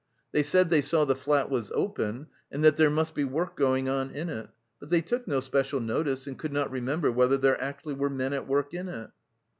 They said they saw the flat was open, and that there must be work going on in it, but they took no special notice and could not remember whether there actually were men at work in it."